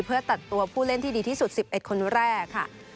เพื่อตัดตัวผู้เล่นที่ดีที่สุด๑๑คนแรกค่ะ